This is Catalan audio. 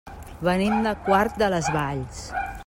Venim de Quart de les Valls.